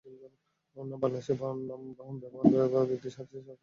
বাংলাদেশের নাম ব্যবহার করে ব্যক্তি স্বার্থ হাসিল করার অধিকার কারও নেই।